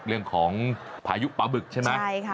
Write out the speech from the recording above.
เรื่องของพายุปลาบึกใช่ไหมใช่ค่ะ